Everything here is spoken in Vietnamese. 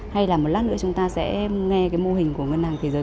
hay là một lát nữa chúng ta sẽ nghe cái mô hình của ngân hàng thế giới